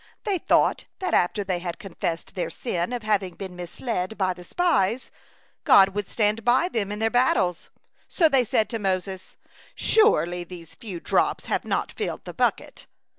They thought that after they had confessed their sin of having been misled by the spies, God would stand by them in their battles, so they said to Moses: "Surely these few drops have not filled the bucket."